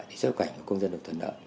để xuất quảnh của công dân được thuận nợ